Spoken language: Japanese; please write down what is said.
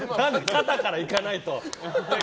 肩からいかないと。